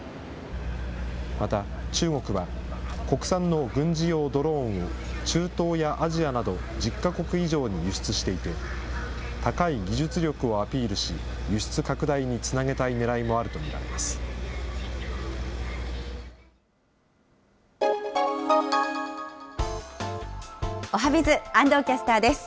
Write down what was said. また、中国は国産の軍事用ドローンを中東やアジアなど１０か国以上に輸出していて、高い技術力をアピールし、輸出拡大につなげたいねらいもあると見られます。